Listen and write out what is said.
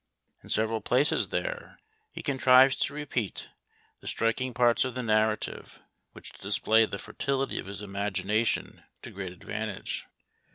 In several places there, he contrives to repeat the striking parts of the narrative which display the fertility of his imagination to great advantage.